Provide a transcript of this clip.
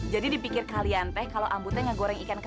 jadi dipikir kalian tuh kalau ambu tuh ngegoreng ikan keseluruhan